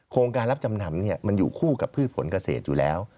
โครงการรับจำนำมันอยู่คู่กับพืชผลเกษตรอยู่แล้ว